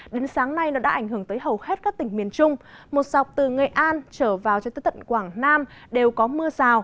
đến sáng nay nó đã ảnh hưởng tới hầu hết các tỉnh miền trung một dọc từ nghệ an trở vào cho tới tận quảng nam đều có mưa rào